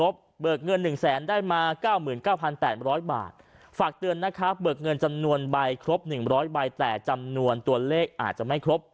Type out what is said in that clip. ฝากเตือนนะครับเบิกเงินจำนวนใบครบ๑๐๐ใบแต่จำนวนตัวเลขอาจจะไม่ครบ